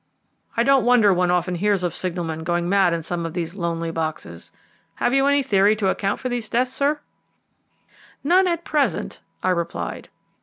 I don't wonder one often hears of signalmen going mad in some of these lonely boxes. Have you any theory to account for these deaths, sir?" "None at present," I replied.